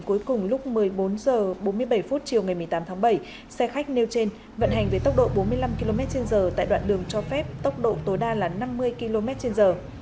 cuối cùng lúc một mươi bốn h bốn mươi bảy phút chiều ngày một mươi tám tháng bảy xe khách nêu trên vận hành với tốc độ bốn mươi năm km trên giờ tại đoạn đường cho phép tốc độ tối đa là năm mươi km trên giờ